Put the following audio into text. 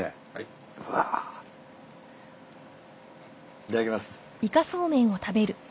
いただきます。